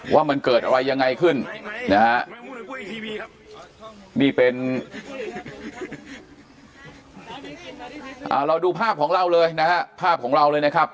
ว่ามันเกิดอะไรยังไงขึ้นนะครับนี่เป็นเราดูภาพของเราเลยนะครับ